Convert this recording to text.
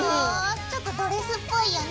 ちょっとドレスっぽいよね。